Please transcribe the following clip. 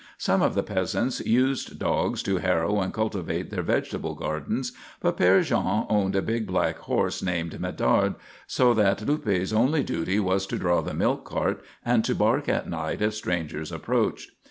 Some of the peasants used dogs to harrow and cultivate their vegetable gardens, but Père Jean owned a big black horse named Medard, so that Luppe's only duty was to draw the milk cart and to bark at night if strangers approached.